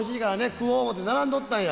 食お思うて並んどったんや。